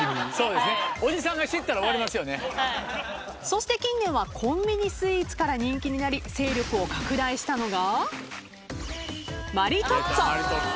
そして近年はコンビニスイーツから人気になり勢力を拡大したのが。